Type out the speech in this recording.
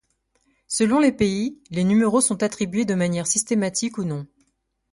Selon les pays, les numéros sont attribués de manière systématique ou non.